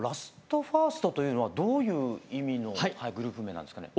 ＬＡＳＴＦＩＲＳＴというのはどういう意味のグループ名なんですかね？